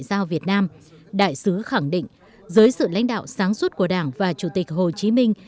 giao việt nam đại sứ khẳng định dưới sự lãnh đạo sáng suốt của đảng và chủ tịch hồ chí minh